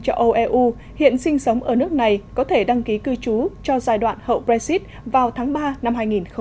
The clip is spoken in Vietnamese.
châu âu eu hiện sinh sống ở nước này có thể đăng ký cư trú cho giai đoạn hậu brexit vào tháng ba năm hai nghìn hai mươi